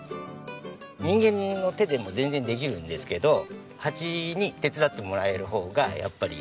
人間の手でも全然できるんですけどハチに手伝ってもらえるほうがやっぱり体力的にも。